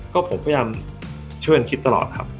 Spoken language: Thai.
ก็ผมพยายามช่วยกันคิดตลอดครับ